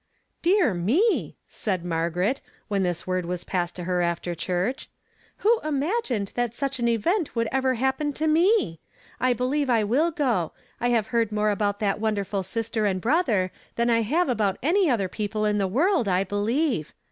" Dear me !" said Margaret, when this word was passed to her after church. " Who imagined that such an event would ever happen to me? I be lieve I will go; I have heard more about that wonderful sister and brother than I have about any other people in the world, I believe.